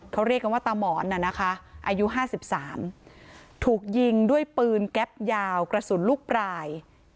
เขาเรียกกันว่าตามหมอนน่ะนะคะอายุ๕๓ถูกยิงด้วยปืนแก๊ปยาวกระสุนลูกปลาย